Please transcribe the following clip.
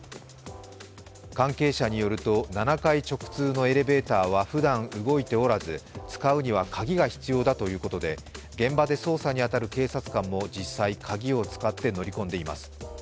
関係者によると７階直通のエレベーターは、ふだん動いておらず使うには鍵が必要だということで現場で捜査に当たる警察官も実際、鍵を使って乗り込んでいます。